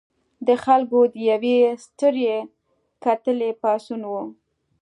د خلکو د یوې سترې کتلې پاڅون و.